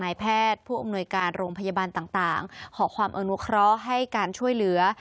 นายแพทย์ผู้อำนวยการโรงพยาบาลต่างขอความอนุเคราะห์ให้การช่วยเหลือ